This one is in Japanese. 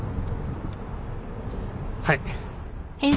はい。